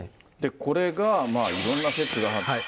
これがいろんな説があって。